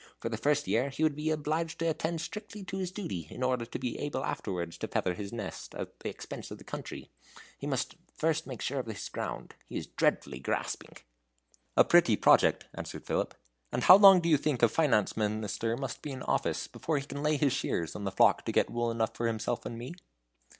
For the first year he would be obliged to attend strictly to his duty, in order to be able afterwards to feather his nest at the expense of the country. He must first make sure of his ground. He is dreadfully grasping!" "A pretty project," answered Philip; "and how long do you think a finance minister must be in office before he can lay his shears on the flock to get wool enough for himself and me?"